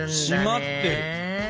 締まってる！